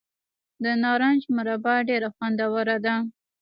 د نارنج مربا ډیره خوندوره ده.